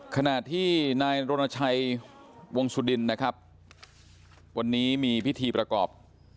ขณะที่นายรณชัยวงสุดินนะครับวันนี้มีพิธีประกอบ